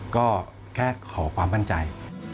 ก็แค่ขอความมั่นใจ